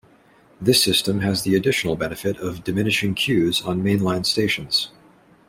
This system has the additional benefit of diminishing queues on main line stations.